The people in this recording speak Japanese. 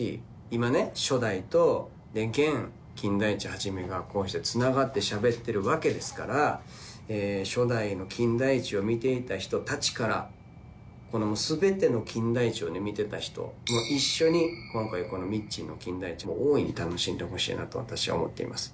今ね初代と現・金田一一がこうしてつながってしゃべってるわけですから初代の『金田一』を見ていた人たちからこの全ての『金田一』を見てた人も一緒に今回このみっちーの『金田一』も大いに楽しんでほしいなと私は思っています。